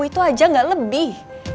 itu aja nggak lebih